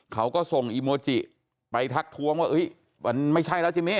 เขาก็ส่งอีโมจิไปทักทวงว่ามันไม่ใช่แล้วจิมิ